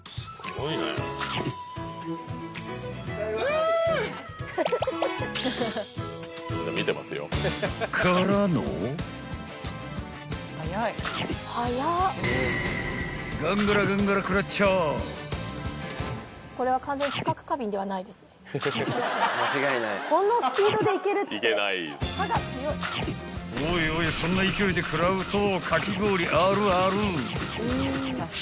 ［おいおいそんな勢いで食らうと］